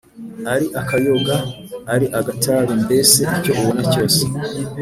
ari akayoga ari agatabi, mbese icyo ubona cyose,